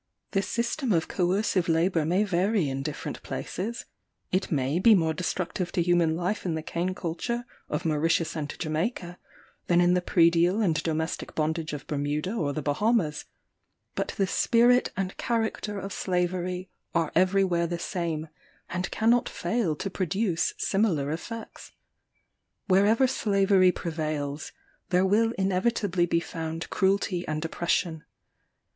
The system of coercive labour may vary in different places; it may be more destructive to human life in the cane culture of Mauritius and Jamaica, than in the predial and domestic bondage of Bermuda or the Bahamas, but the spirit and character of slavery are every where the same, and cannot fail to produce similar effects. Wherever slavery prevails, there will inevitably be found cruelty and oppression.